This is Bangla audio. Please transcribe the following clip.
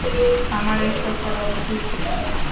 আমার এসব করা উচিত না।